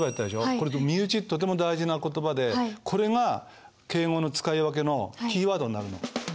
これ「身内」とても大事な言葉でこれが敬語の使い分けのキーワードになるの。